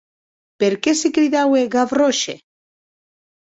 Per qué se cridaue Gravroche?